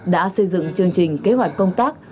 đã xây dựng chương trình kế hoạch công tác